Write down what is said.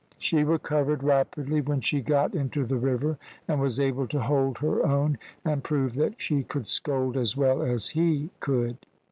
She recovered rapidly when she got into the river, and was able to hold her own, and prove that she could scold as well as he could.